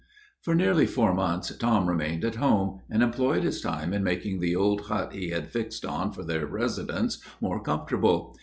For nearly four months Tom remained at home, and employed his time in making the old hut he had fixed on for their residence more comfortable.